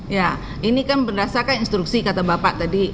ya ini kan berdasarkan instruksi kata bapak tadi